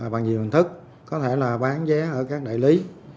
bằng nhiều hình thức có thể là bán vé ở các đại lý